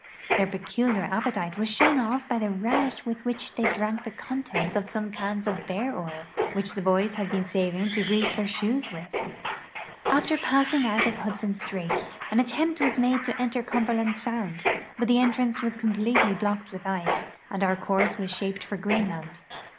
Their peculiar appetite was shown by the relish with which they drank the contents of some cans of ))ear oil which the boys had been saving to grease their shoes w'ith. After passing out of Hudson strait, an attempt was made to enter Cumberland sound, l)Ut the entrance was conipletely blocked with ice, and our course was shaped for (Jreenland.